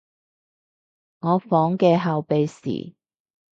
我房嘅後備匙